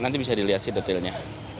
nanti bisa dilihat sih detailnya